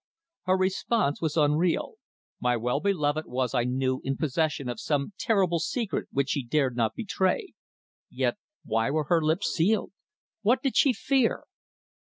Her response was unreal. My well beloved was I knew in possession of some terrible secret which she dared not betray. Yet why were her lips sealed? What did she fear?